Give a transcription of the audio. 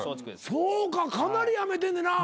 そうかかなり辞めてんねんな。